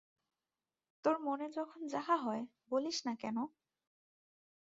তাের মনে যখন যাহা হয়, বলিস না কেন?